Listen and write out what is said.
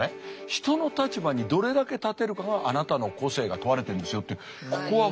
「人の立場にどれだけ立てるかがあなたの個性が問われてるんですよ」って